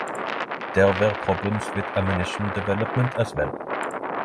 There were problems with ammunition development as well.